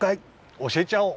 おしえちゃおう！